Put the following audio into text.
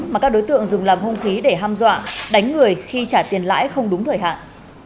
mà các đối tượng dùng làm hung khí để ham dọa đánh người khi trả tiền lãi không đúng thời hạn